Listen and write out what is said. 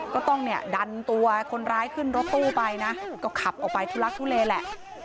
ก็ต้องเนี่ยดันตัวคนร้ายขึ้นรถตู้ไปนะก็ขับออกไปทุลักทุเลแหละ